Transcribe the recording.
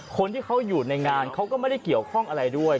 คนที่เขาอยู่ในงานเขาก็ไม่ได้เกี่ยวข้องอะไรด้วย